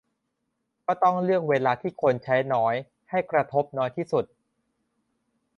ก็ต้องเลือกเวลาที่คนใช้น้อย ให้กระทบน้อยสุด